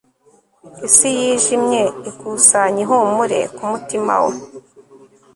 isi yijimye ikusanya ihumure kumutima we